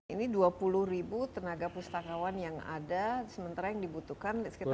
ini dua puluh tenaga pustakawan yang ada sementara yang dibutuhkan sekitar lima ratus